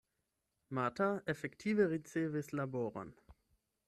Marta efektive ricevis laboron.